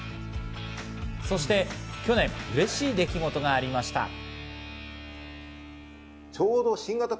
そして去年、嬉しい出来事がありました。